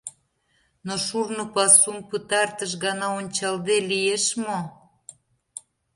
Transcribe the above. Но шурно пасум пытартыш гана ончалде лиеш мо!